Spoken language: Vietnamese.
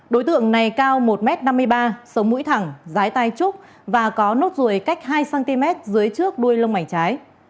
đối tượng này cao một m năm mươi ba sống mũi thẳng rái tai trúc và có nốt ruồi cách hai cm dưới trước đuôi lông mảnh trái